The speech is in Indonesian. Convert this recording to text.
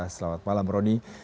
selamat malam roni